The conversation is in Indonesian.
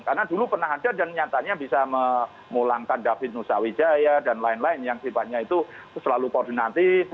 karena dulu pernah ada dan nyatanya bisa memulangkan david nusawi jaya dan lain lain yang sifatnya itu selalu koordinatif